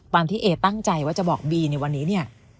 ตามที่เอตั้งใจว่าจะบอกบีในวันนี้